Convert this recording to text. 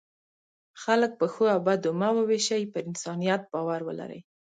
خلک په ښو او بدو مه وویشئ، پر انسانیت باور ولرئ.